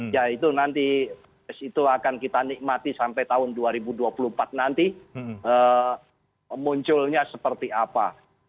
ya itu nanti itu akan kita nikmati sampai tahun dua ribu dua puluh empat nanti munculnya seperti apa